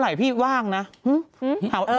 หว่างพี่ว่างเลย